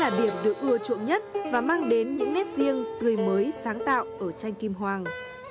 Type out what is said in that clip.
trang kim hoàng được ưa chuộng nhất và mang đến những nét riêng tươi mới sáng tạo ở tranh kim hoàng